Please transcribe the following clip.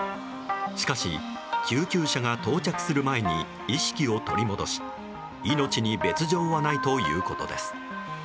しかし、救急車が到着する前に意識を取り戻し命に別状はないということです。